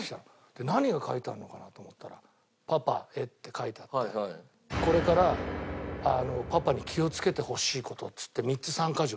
で何が書いてあるのかなと思ったら「パパへ」って書いてあって「これからパパに気をつけてほしい事」っつって３つ３カ条。